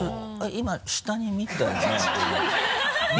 今下に見たよね？